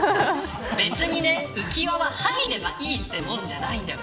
別に浮輪は入ればいいというものじゃないんだよ